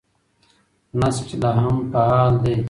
نسج لا هم فعال دی.